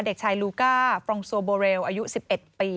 เด็กชายลูก้าฟรองซัวโบเรลอายุ๑๑ปี